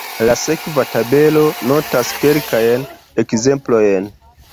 La sekva tabelo notas kelkajn ekzemplojn.